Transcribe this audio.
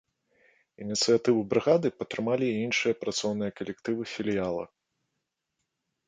Ініцыятыву брыгады падтрымалі і іншыя працоўныя калектывы філіяла.